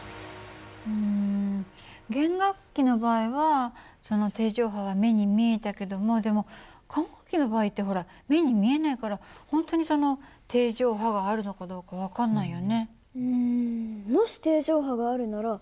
うん弦楽器の場合はその定常波が目に見えたけどもでも管楽器の場合ってほら目に見えないから本当にその定常波があるのかどうか分かんないよね。